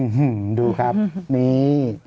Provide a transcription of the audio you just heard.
โอ้โฮดูครับนี่